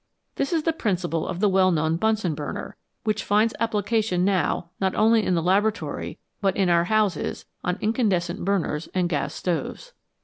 This is the principle of the well known Bunsen burner, which finds application now, not only in the laboratory but in our houses, on incandescent burners and gas stoves.